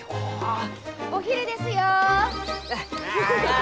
お昼ですよ！